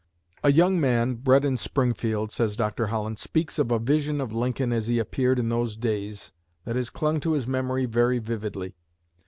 "A young man bred in Springfield," says Dr. Holland, "speaks of a vision of Lincoln, as he appeared in those days, that has clung to his memory very vividly.